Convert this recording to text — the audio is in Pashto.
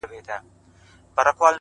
ددغه خلگو په كار!! كار مه لره!!